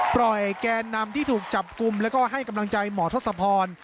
แกนนำที่ถูกจับกลุ่มแล้วก็ให้กำลังใจหมอทศพร